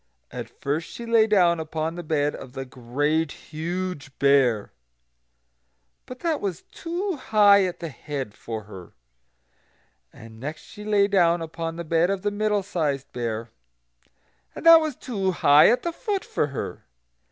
And first she lay down upon the bed of the Great Huge Bear; but that was too high at the head for her. And next she lay down upon the bed of the Middle sized Bear, and that was too high at the foot for her.